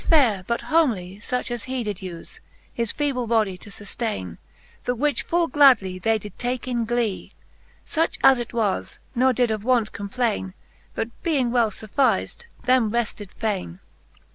Yet was their fare but homely, fuch as hee Did ufe, his feeble body to fuftaine ; The which full gladly they did take in glee, Such as it was, ne did of want complaine, But being well fuffiz'd, them refted faine.